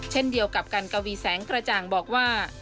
เช่นเดียวกับกันกวีแสงกระจ่างบอกว่า